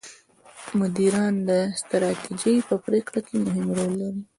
مدیران د ستراتیژۍ په پرېکړو کې مهم رول لري.